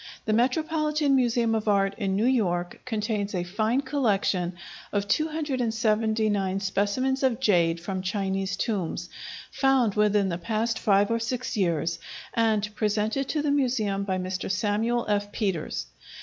The Metropolitan Museum of Art in New York contains a fine collection of 279 specimens of jade from Chinese tombs, found within the past five or six years, and presented to the museum by Mr. Samuel F. Peters.